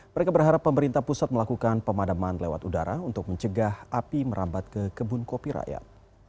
mereka berharap pemerintah pusat melakukan pemadaman lewat udara untuk mencegah api merambat ke kebun kopi rakyat